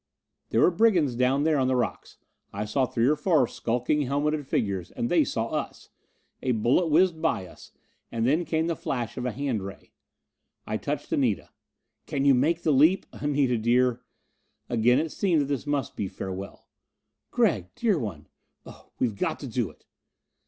There were brigands down there on the rocks. I saw three or four skulking helmeted figures, and they saw us! A bullet whizzed by us, and then came the flash of a hand ray. I touched Anita. "Can you make the leap? Anita, dear...." Again it seemed that this must be farewell. "Gregg, dear one oh, we've got to do it!"